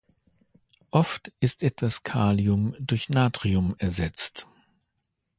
Oft ist etwas Kalium durch Natrium ersetzt.